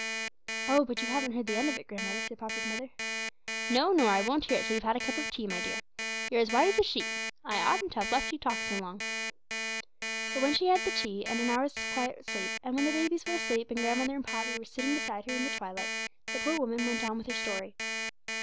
'Oh, but you haven't heard the end of it, grandmother,' said Poppy's mother. 'No, nor I won't hear it till you've had a cup of tea, my dear. You're as white as a sheet. I oughtn't to have let you talk so long.' But when she had had the tea, and an hour's quiet sleep, and when the babies were asleep, and grandmother and Poppy were sitting beside her in the twilight, the poor woman went on with her story.